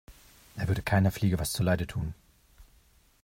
Er würde keiner Fliege was zu Leide tun.